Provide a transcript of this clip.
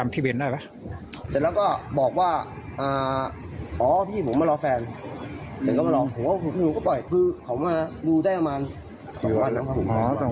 ผมว่าว่าหุบหนูก็ปล่อยคือเขามารู้ได้ประมาณ๒วันแล้ว